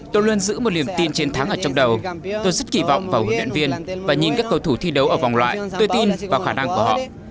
tôi luôn giữ một niềm tin chiến thắng ở trong đầu tôi rất kỳ vọng vào huấn luyện viên và nhìn các cầu thủ thi đấu ở vòng loại tôi tin vào khả năng của họ